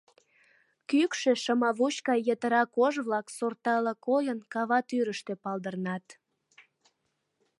Кӱкшӧ, шымавуч гай йытыра кож-влак, сортала койын, кава тӱрыштӧ палдырнат.